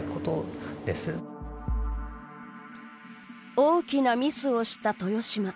大きなミスをした豊島。